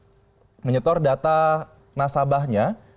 dan menyetorkan data nasabahnya